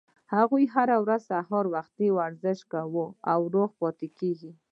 هغوي هره ورځ سهار وخته ورزش کوي او روغ پاتې کیږي